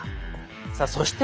さあそして